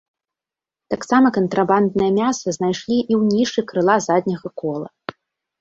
Таксама кантрабанднае мяса знайшлі і ў нішы крыла задняга кола.